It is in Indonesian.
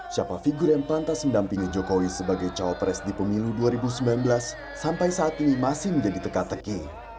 siapa figur yang pantas mendampingi jokowi sebagai cawapres di pemilu dua ribu sembilan belas sampai saat ini masih menjadi teka teki